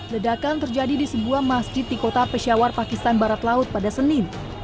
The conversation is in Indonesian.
ledakan terjadi di sebuah masjid di kota pesyawar pakistan barat laut pada senin